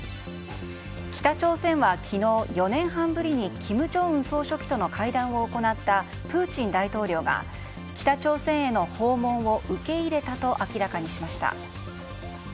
北朝鮮は昨日、４年半ぶりに金正恩総書記との会談を行ったプーチン大統領が北朝鮮への訪問を受け入れたと明らかにしました。